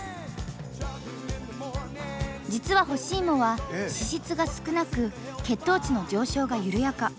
実は干し芋は脂質が少なく血糖値の上昇が緩やか。